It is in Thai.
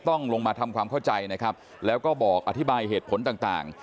ต้องลงมาทำความเข้าใจนะครับแล้วก็บอกอธิบายเหตุผลต่าง